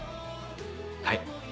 はい。